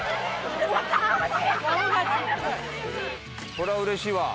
これは嬉しいわ。